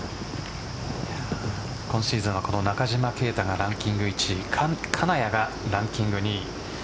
今シーズンは中島啓太がランキング１位金谷がランキング２位。